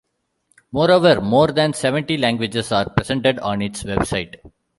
Moreover, more than seventy languages are presented on its website.